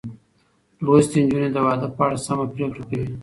لوستې نجونې د واده په اړه سمه پرېکړه کوي.